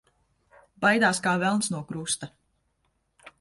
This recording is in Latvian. Baidās kā velns no krusta.